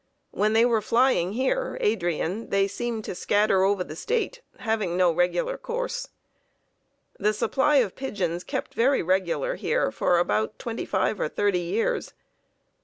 When they were flying here (Adrian) they seemed to scatter over the State, having no regular course. The supply of pigeons kept very regular here for about twenty five or thirty years.